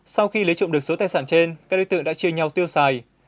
sau khi lấy trộm được số tài sản trên các đối tượng đã chia nhau tiêu xài